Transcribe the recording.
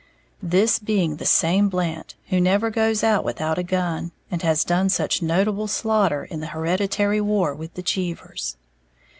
This being the same Blant who "never goes out without a gun," and has done such notable slaughter in the hereditary "war" with the Cheevers!